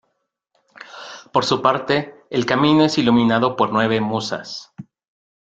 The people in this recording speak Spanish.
Por su parte, el camino es iluminado por nueve musas.